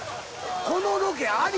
このロケあり？